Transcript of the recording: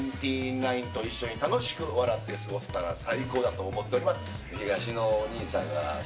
ナインと一緒に楽しく笑って過ごせたら最高だと思っております。